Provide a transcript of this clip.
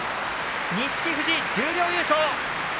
錦富士、十両優勝。